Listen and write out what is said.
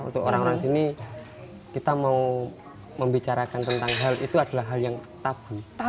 untuk orang orang sini kita mau membicarakan tentang hal itu adalah hal yang tabu